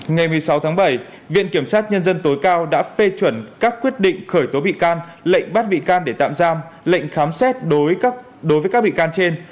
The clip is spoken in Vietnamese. ngày một mươi sáu tháng bảy viện kiểm sát nhân dân tối cao đã phê chuẩn các quyết định khởi tố bị can lệnh bắt bị can để tạm giam lệnh khám xét đối với các bị can trên